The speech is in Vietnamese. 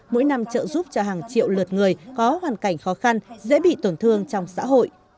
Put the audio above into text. mỗi năm trợ giúp cho hàng triệu lượt người có hoàn cảnh khó khăn dễ bị tổn thương trong xã hội